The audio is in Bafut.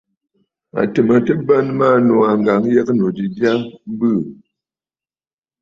À tɨ̀ mə tɨ bə maa nòò aa, ŋ̀gǎŋyəgə̂nnù ji jya ɨ bɨɨ̀.